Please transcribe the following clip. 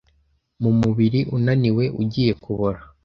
mu mubiri unaniwe ugiye kubora